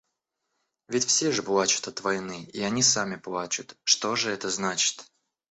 Ведь все же плачут от войны, и они сами плачут, — что же это значит?